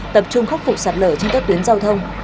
tập trung khắc phục sạt lở trên các tuyến giao thông